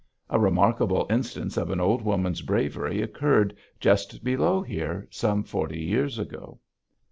A remarkable instance of an old woman's bravery occurred just below here some forty years ago.